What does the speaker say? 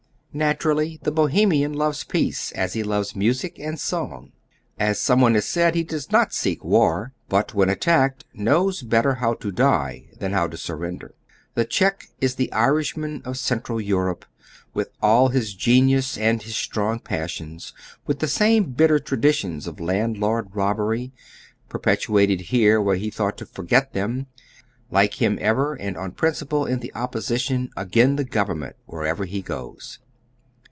Naturally the Bohemian loves peace, as he loves music and song. As someone has said : He does not seek war, but when attacked knows better how to die than how to surrender. The Czech is the Irishman of Central Europe, with all his genius and his strong pas sions, with the same bitter traditions of laud lord robbery, perpetuated here where he thought to forget them ; like liim ever and on principle in the opposition, "agin the government" wherever he goes.